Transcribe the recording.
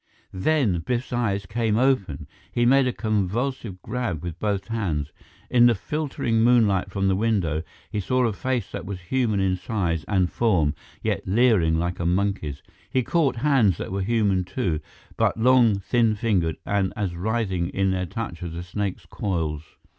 Then Biff's eyes came open. He made a convulsive grab with both hands. In the filtering moonlight from the window, he saw a face that was human in size and form, yet leering like a monkey's. He caught hands that were human, too, but long, thin fingered, and as writhing in their touch as a snake's coils.